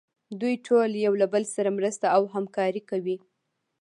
دوی ټول یو له بل سره مرسته او همکاري کوي.